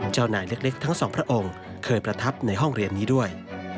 เจ้านายเล็กทั้งสองพระองค์เคยประทับในห้องเรียนนี้ด้วย